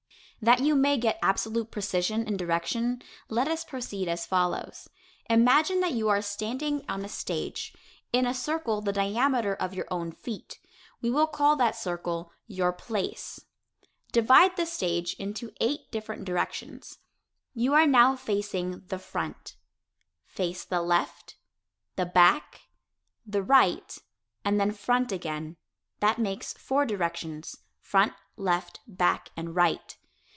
That you may get absolute precision in direction, let us proceed as follows: Imagine that you are standing on a stage, in a circle the diameter of your own feet; we will call that circle "your place." [Illustration: Your Place] Divide the stage into eight different directions. You are now facing the "front." Face the "left," the "back," the "right," and then "front" again. That makes four directions front, left, back and right.